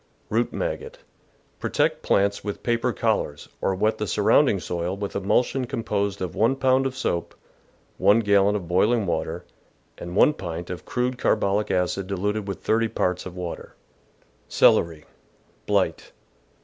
Root Maggot. — Protect plants with paper col lars, or wet the surrounding soil with emulsion com posed of one pound of soap, one gallon of boiling water, and one pint of crude carbolic acid diluted with thirty parts of water. Celery. — Blight.